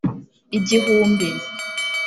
Igihumbi